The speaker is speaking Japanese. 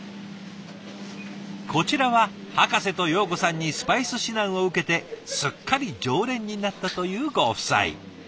こちらはハカセとヨーコさんにスパイス指南を受けてすっかり常連になったというご夫妻。